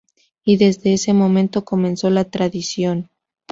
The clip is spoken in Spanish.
Y desde ese momento comenzó la tradición.